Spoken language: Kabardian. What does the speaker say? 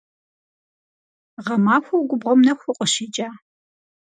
Гъэмахуэу губгъуэм нэху укъыщекӀа?